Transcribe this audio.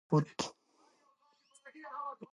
هغه موږکان چې د تیلرونکي بکتریاوې لري، توپیر ونه ښود.